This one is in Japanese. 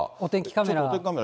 お天気カメラ。